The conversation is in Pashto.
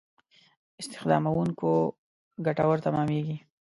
استخداموونکو ګټور تمامېږي.